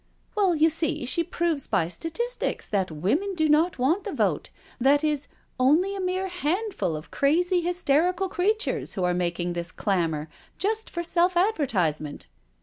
" Well, you see she proves by statistics that women do not want the vote— that is, only a mere handful of crazy, hysterical creatures who are making this clamour, just for self advertisement.